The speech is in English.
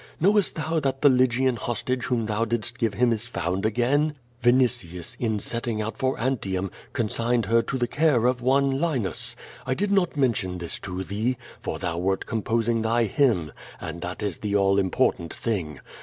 Knowest thou that the Lygian hostage whom thou didst give him is found again? Vinitius, in setting out for Antium, consigned her to the care of one Linus. I did not mention this to thee, for thou wert composing thy hymn, and that is the all important thing.